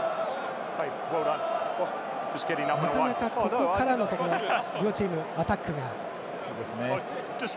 なかなか、ここから両チームアタックが。